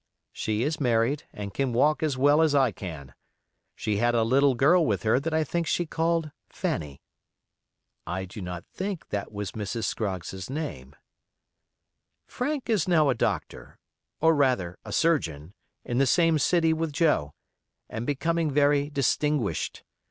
She is married, and can walk as well as I can. She had a little girl with her that I think she called "Fanny". I do not think that was Mrs. Scroggs's name. Frank is now a doctor, or rather a surgeon, in the same city with Joe, and becoming very distinguished.